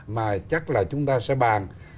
mà chắc là chúng ta sẽ bàn